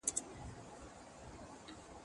زه به انځور ليدلی وي،